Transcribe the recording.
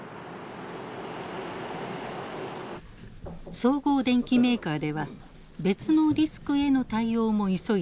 総合電機メーカーでは別のリスクへの対応も急いでいます。